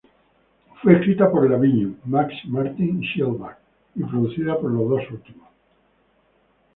Fue escrita por Lavigne, Max Martin y Shellback, y producida por los dos últimos.